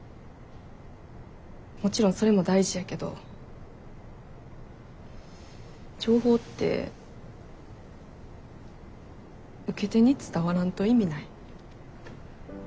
もちろんそれも大事やけど情報って受け手に伝わらんと意味ない。